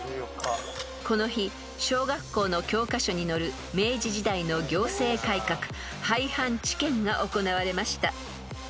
［この日小学校の教科書に載る明治時代の行政改革廃藩置県が行われました］